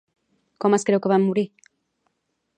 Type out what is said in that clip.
Com es creu que van morir?